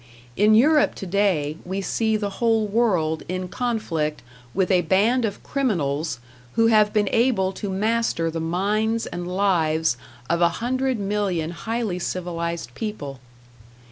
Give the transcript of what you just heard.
In Europe to day we see the whole world in conflict with a band of criminals who have been able to master the minds and lives of a hundred million highly civilized people.